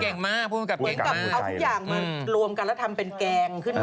นะครับผู้อำกับต่างไม่ได้เอาทุกอย่างมารวมกันแล้วทำเป็นแกงขึ้นมา